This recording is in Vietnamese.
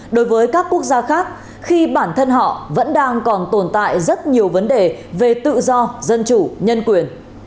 đối với các quốc gia khác khi bản thân họ vẫn đang còn tồn tại rất nhiều vấn đề về tự do dân chủ nhân quyền